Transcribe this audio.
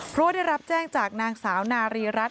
เพราะว่าได้รับแจ้งจากนางสาวนารีรัฐ